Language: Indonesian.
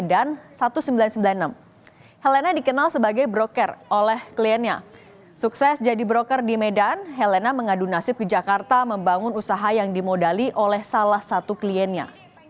jadi intinya aku udah banyak customer nih udah banyak nih udah mapan lah disitu ya